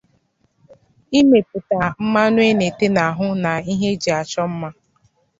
imepụta mmanụ a na-ete n'ahụ na ihe e ji achọ mma